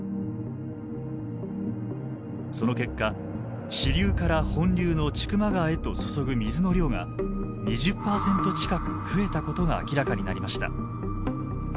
その結果支流から本流の千曲川へと注ぐ水の量が２０％近く増えたことが明らかになりました。